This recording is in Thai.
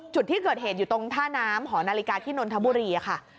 จุดที่เกิดเหตุอยู่ตรงท่าน้ำหอนาฬิกาที่นนทบุรีค่ะ